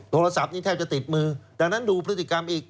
โทรศัพท์นี้แทบจะติดมือดังนั้นดูพฤติกรรมอีก